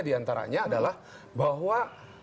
di antaranya adalah bahwa